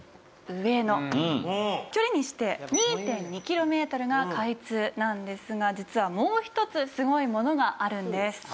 距離にして２．２キロメートルが開通なんですが実はもう一つすごいものがあるんです。